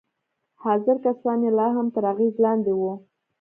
حاضر کسان يې لا هم تر اغېز لاندې وو.